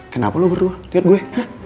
kenapa lo berdua liat gue